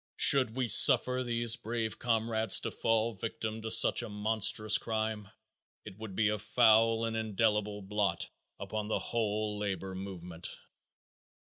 Should we suffer these brave comrades to fall victims to such a monstrous crime, it would be a foul and indelible blot upon the whole labor movement.